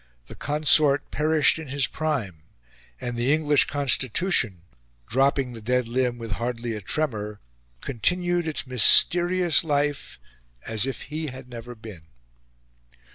The Consort perished in his prime; and the English Constitution, dropping the dead limb with hardly a tremor, continued its mysterious life as if he had never been.